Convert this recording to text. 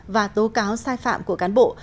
và tố cáo sai phạm của cán bộ